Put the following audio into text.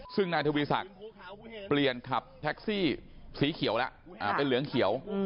ซึ่งนายทวีศักดิ์เปลี่ยนขับแท็กซี่สีเขียวแล้วเป็นเหลืองเขียว